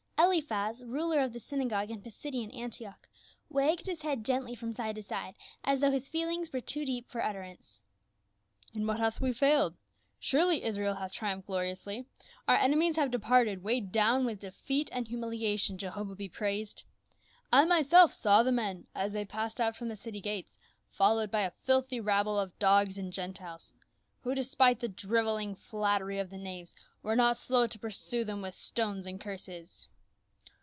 Eliphaz, ruler of the synagogue in Pisidian Antioch, wagged his head gently from side to side as though his feelings were too deep for utterance. " In what have we failed ? Surely Israel hath tri umphed gloriously. Our enemies have departed weighed down with defeat and humiliation, Jehovah be praised ! I myself saw the men as they passed out from the city gates followed by a filthy rabble of dogs and Gentiles — who despite the driveling flatter)^ of the knaves were not slow to pursue them with stones and curses."